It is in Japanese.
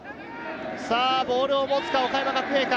ボールを持つか、岡山学芸館。